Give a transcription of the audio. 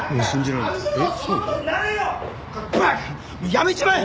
やめちまえ！